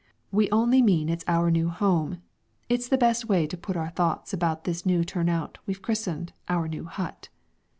We only mean its our new home It's the best way to put Our thoughts about this new turn out We've christened OUR NEW HUT.